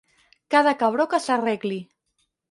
Cada cabró que s'arregli.